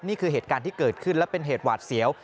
นี่คือเหตุการณ์ที่เกิดขึ้นและเป็นเหตุหวาดเสียว